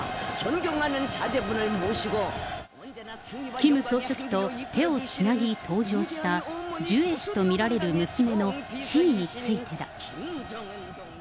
キム総書記と手をつなぎ登場したジュエ氏と見られる娘の地位についてだ。